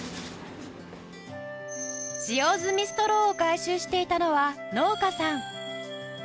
使用済みストローを回収していたのは農家さん